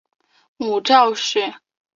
母赵氏。